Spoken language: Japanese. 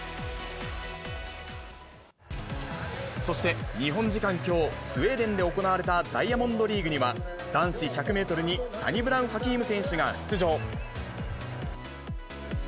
そして、日本時間きょう、スウェーデンで行われたダイヤモンドリーグには、男子１００メートルに、サニブラウン・ハキーム選手が出場。